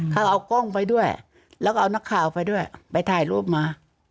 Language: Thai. เขาเอากล้องไปด้วยแล้วก็เอานักข่าวไปด้วยไปถ่ายรูปมา